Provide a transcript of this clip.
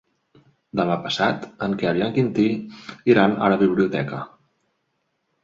Demà passat en Quel i en Quintí iran a la biblioteca.